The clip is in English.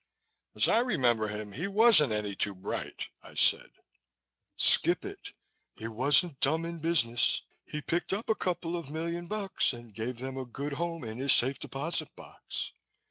"As I remember him, he wasn't any too bright," I said. "Skip it! He wasn't dumb in business. He picked up a couple of million bucks and gave them a good home in his safe deposit box.